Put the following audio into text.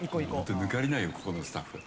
抜かりないよ、ここのスタッフ。